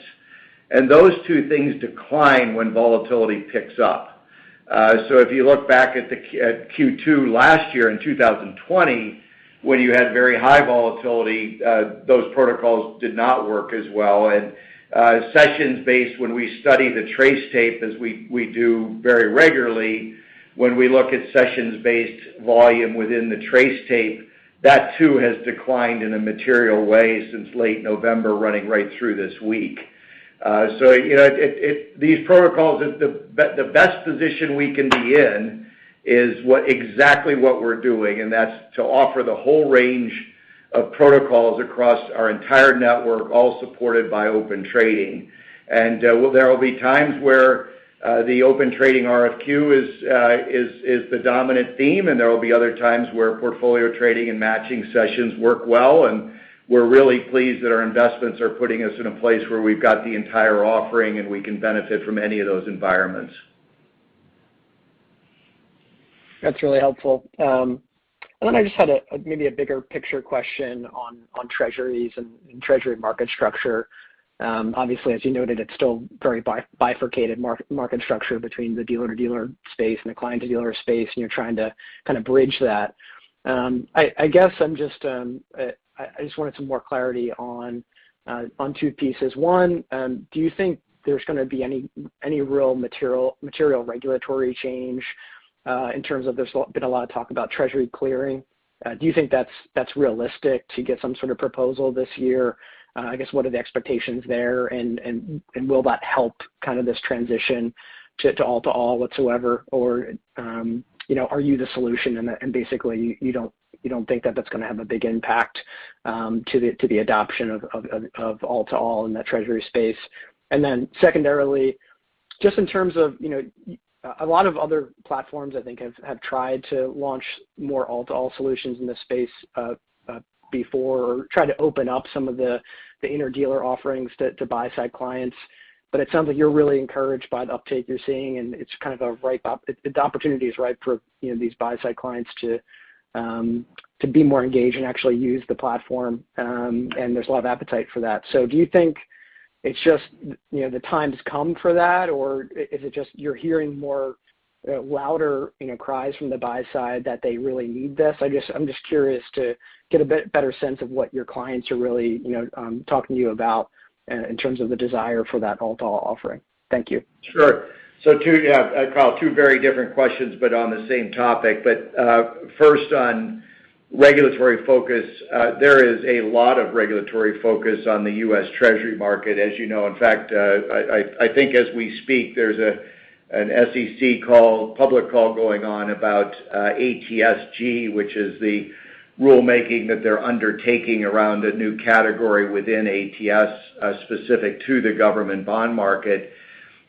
Those two things decline when volatility picks up. So if you look back at Q2 last year in 2020, when you had very high volatility, those protocols did not work as well. Sessions-based, when we study the TRACE tape as we do very regularly, when we look at sessions-based volume within the TRACE tape, that too has declined in a material way since late November, running right through this week. You know, these protocols, the best position we can be in is exactly what we're doing, and that's to offer the whole range of protocols across our entire network, all supported by Open Trading. There will be times where the Open Trading RFQ is the dominant theme, and there will be other times where Portfolio Trading and matching sessions work well. We're really pleased that our investments are putting us in a place where we've got the entire offering, and we can benefit from any of those environments. That's really helpful. I just had a maybe bigger picture question on Treasuries and Treasury market structure. Obviously, as you noted, it's still very bifurcated market structure between the dealer-to-dealer space and the client-to-dealer space, and you're trying to kind of bridge that. I guess I'm just I just wanted some more clarity on two pieces. One, do you think there's gonna be any real material regulatory change in terms of there's been a lot of talk about Treasury clearing. Do you think that's realistic to get some sort of proposal this year? I guess what are the expectations there, and will that help kind of this transition to all-to-all whatsoever? You know, are you the solution and basically, you don't think that that's gonna have a big impact to the adoption of all-to-all in that Treasury space? Secondarily, just in terms of, you know, a lot of other platforms, I think, have tried to launch more all-to-all solutions in this space before or try to open up some of the interdealer offerings to buy-side clients. It sounds like you're really encouraged by the uptake you're seeing, and the opportunity is ripe for, you know, these buy-side clients to be more engaged and actually use the platform. There's a lot of appetite for that. So do you think it's just, you know, the time has come for that, or is it just you're hearing more louder, you know, cries from the buy side that they really need this? I guess I'm just curious to get a better sense of what your clients are really, you know, talking to you about in terms of the desire for that all-to-all offering. Thank you. Sure. Two, yeah, Kyle, two very different questions, but on the same topic. First on regulatory focus, there is a lot of regulatory focus on the U.S. Treasury market, as you know. In fact, I think as we speak, there's an SEC call, public call going on about ATS-G, which is the rulemaking that they're undertaking around a new category within ATS, specific to the government bond market.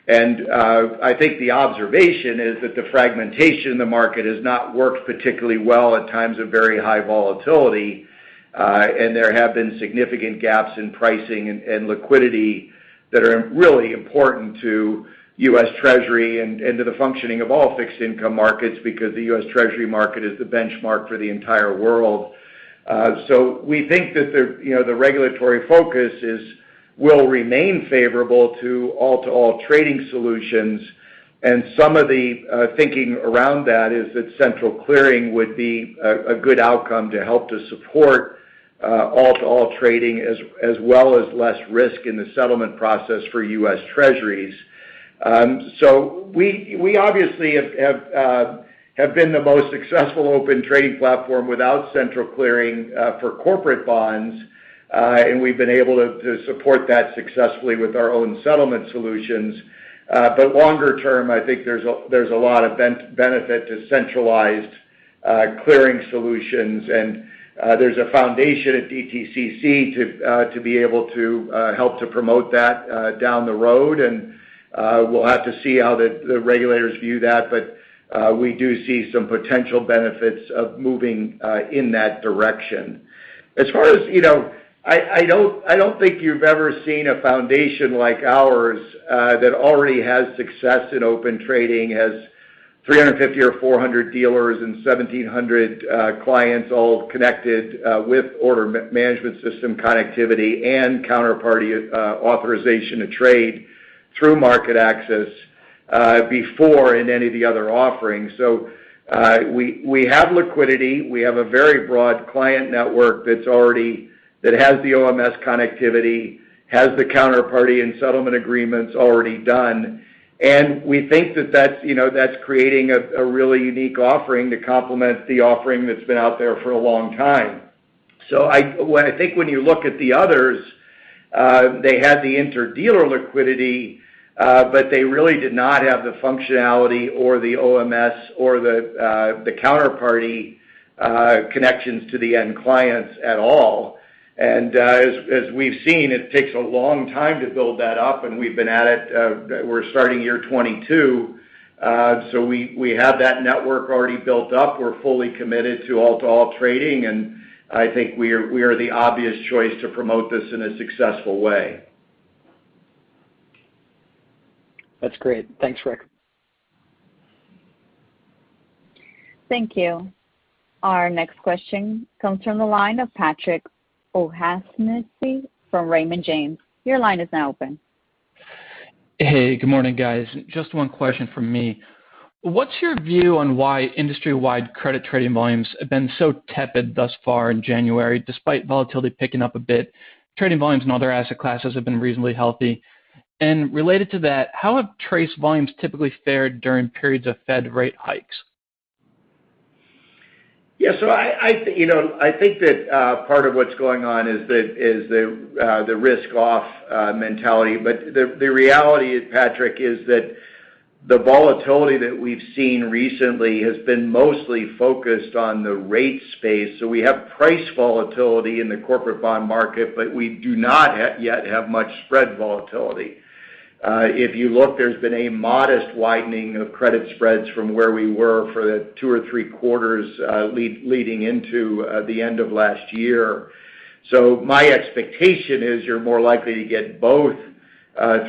I think the observation is that the fragmentation in the market has not worked particularly well at times of very high volatility, and there have been significant gaps in pricing and liquidity that are really important to U.S. Treasury and to the functioning of all fixed income markets because the U.S. Treasury market is the benchmark for the entire world. We think that the, you know, the regulatory focus will remain favorable to all-to-all trading solutions. Some of the thinking around that is that central clearing would be a good outcome to help to support all-to-all trading, as well as less risk in the settlement process for U.S. Treasuries. We obviously have been the most successful open trading platform without central clearing for corporate bonds, and we've been able to support that successfully with our own settlement solutions. Longer term, I think there's a lot of benefit to centralized clearing solutions. There's a foundation at DTCC to be able to help to promote that down the road. We'll have to see how the regulators view that, but we do see some potential benefits of moving in that direction. As far as you know, I don't think you've ever seen a foundation like ours that already has success in Open Trading, has 350 or 400 dealers and 1,700 clients all connected with order management system connectivity and counterparty authorization to trade through MarketAxess before in any of the other offerings. We have liquidity. We have a very broad client network that has the OMS connectivity, has the counterparty and settlement agreements already done. We think that that's, you know, that's creating a really unique offering to complement the offering that's been out there for a long time. I think when you look at the others, they had the interdealer liquidity, but they really did not have the functionality or the OMS or the counterparty connections to the end clients at all. As we've seen, it takes a long time to build that up, and we've been at it. We're starting year 2022, so we have that network already built up. We're fully committed to all-to-all trading, and I think we are the obvious choice to promote this in a successful way. That's great. Thanks, Rick. Thank you. Our next question comes from the line of Patrick O'Shaughnessy from Raymond James. Your line is now open. Hey, good morning, guys. Just one question from me. What's your view on why industry-wide credit trading volumes have been so tepid thus far in January, despite volatility picking up a bit? Trading volumes in other asset classes have been reasonably healthy. Related to that, how have TRACE volumes typically fared during periods of Fed rate hikes? Yeah. I think that part of what's going on is the risk off mentality. But the reality, Patrick, is that the volatility that we've seen recently has been mostly focused on the rate space. We have price volatility in the corporate bond market, but we do not yet have much spread volatility. If you look, there's been a modest widening of credit spreads from where we were for the two or three quarters leading into the end of last year. My expectation is you're more likely to get both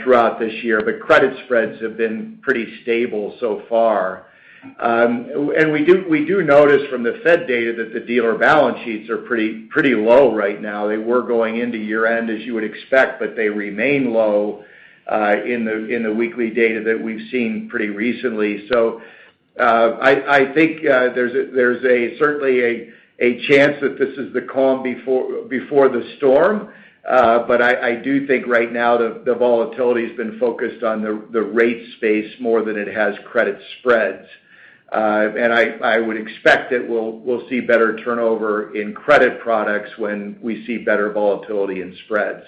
throughout this year, but credit spreads have been pretty stable so far. We do notice from the Fed data that the dealer balance sheets are pretty low right now. They were going into year-end as you would expect, but they remain low in the weekly data that we've seen pretty recently. I think there's certainly a chance that this is the calm before the storm. I do think right now the volatility's been focused on the rate space more than it has credit spreads. I would expect that we'll see better turnover in credit products when we see better volatility in spreads.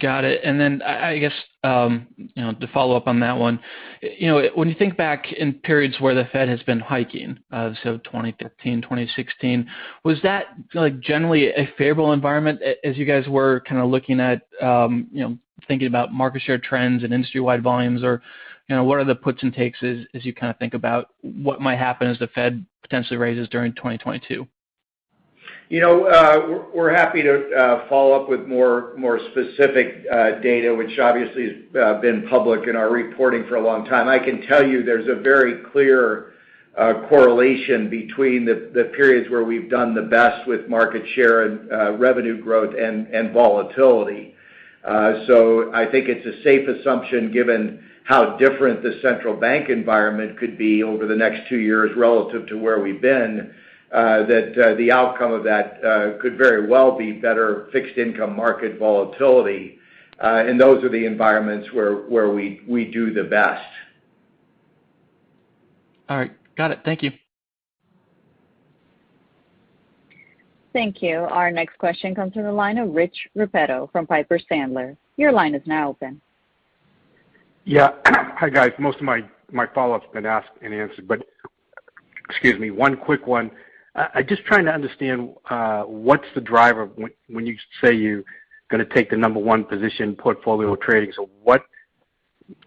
Got it. I guess, you know, to follow up on that one, you know, when you think back in periods where the Fed has been hiking, so 2015, 2016, was that, like, generally a favorable environment as you guys were kinda looking at, you know, thinking about market share trends and industry-wide volumes, or, you know, what are the puts and takes as you kinda think about what might happen as the Fed potentially raises during 2022? You know, we're happy to follow up with more specific data, which obviously has been public in our reporting for a long time. I can tell you there's a very clear correlation between the periods where we've done the best with market share and revenue growth and volatility. I think it's a safe assumption, given how different the central bank environment could be over the next two years relative to where we've been, that the outcome of that could very well be better fixed income market volatility. Those are the environments where we do the best. All right. Got it. Thank you. Thank you. Our next question comes from the line of Rich Repetto from Piper Sandler. Your line is now open. Yeah. Hi, guys. Most of my follow-up's been asked and answered, but excuse me, one quick one. I'm just trying to understand what's the driver when you say you're gonna take the number one position Portfolio Trading. So what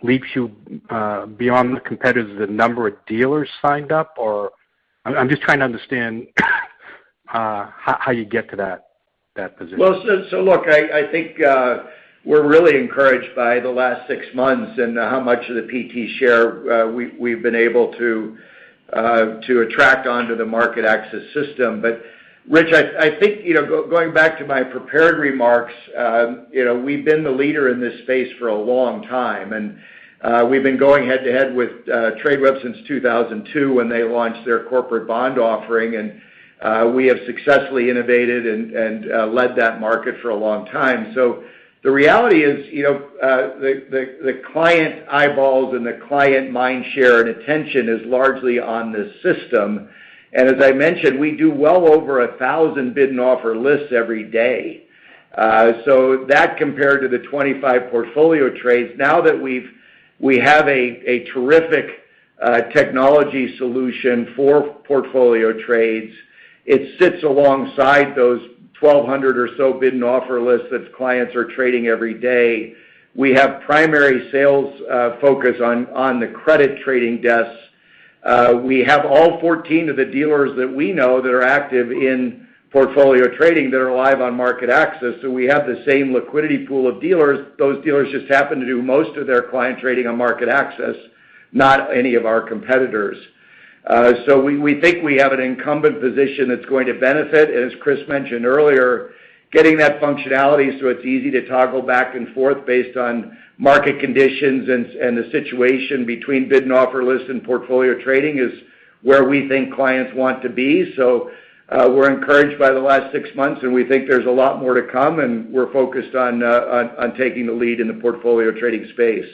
leaps you beyond the competitors? The number of dealers signed up or I'm just trying to understand how you get to that position. Well, look, I think we're really encouraged by the last six months and how much of the PT share we've been able to attract onto the MarketAxess system. Rich, I think, you know, going back to my prepared remarks, you know, we've been the leader in this space for a long time. We've been going head to head with Tradeweb since 2002 when they launched their corporate bond offering, and we have successfully innovated and led that market for a long time. The reality is, you know, the client eyeballs and the client mind share and attention is largely on this system. As I mentioned, we do well over 1,000 bid and offer lists every day. That compared to the 25 portfolio trades, now that we have a terrific technology solution for portfolio trades, it sits alongside those 1,200 or so bid and offer lists that clients are trading every day. We have primary sales focus on the credit trading desks. We have all 14 of the dealers that we know that are active in Portfolio Trading that are live on MarketAxess. We have the same liquidity pool of dealers. Those dealers just happen to do most of their client trading on MarketAxess, not any of our competitors. We think we have an incumbent position that's going to benefit. As Chris mentioned earlier, getting that functionality so it's easy to toggle back and forth based on market conditions and the situation between bid and offer list and Portfolio Trading is where we think clients want to be. We're encouraged by the last six months, and we think there's a lot more to come, and we're focused on taking the lead in the Portfolio Trading space.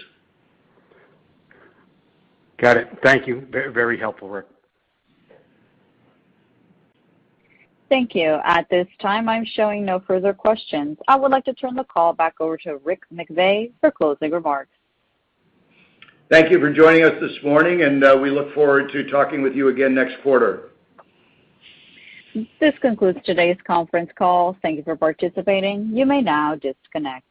Got it. Thank you. Very helpful, Rick. Thank you. At this time, I'm showing no further questions. I would like to turn the call back over to Rick McVey for closing remarks. Thank you for joining us this morning, and, we look forward to talking with you again next quarter. This concludes today's conference call. Thank you for participating. You may now disconnect.